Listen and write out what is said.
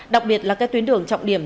đặc biệt là các tuyến đường trọng điểm